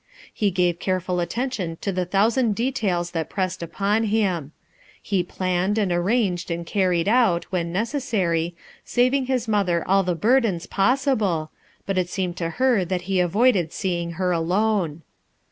He gave careful attention to the thousand details that pressed upon him. II e planned and arranged and carried out, when necessary, saving his mother all the burdens possible, but jt seemed to her that he avoided seeing her alone.